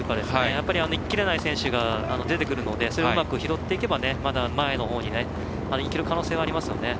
やっぱり、いききれない選手が出てきますのでそれをうまく拾っていけばまだ前の方にいける可能性はありますね。